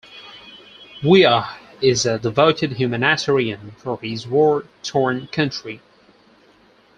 Weah is a devoted humanitarian for his war-torn country.